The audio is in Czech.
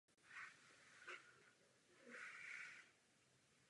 Už to stačilo.